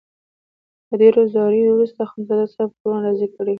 له ډېرو زاریو وروسته اخندزاده صاحب ګوروان راضي کړی وو.